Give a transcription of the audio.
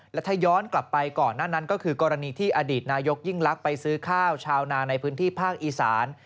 และถ้าย้อนกลับไปก่อนหน้านั้นก็คือกรณีที่อดีตนายกยิ่งลักษณ์ไปซื้อข้าวชาวนาในพื้นที่ภาคอีสาน